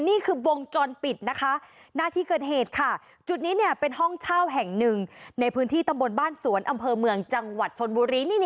นี่คือวงจรปิดนะคะหน้าที่เกิดเหตุค่ะจุดนี้เป็นห้องเช่าแห่งหนึ่งในพื้นที่ตำบลบ้านสวนอำเภอเมืองจังหวัดชนบุรี